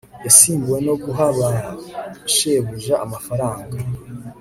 yasimbuwe no guha ba shebuja amafaranga